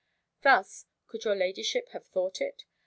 Thus (could your ladyship have thought it?)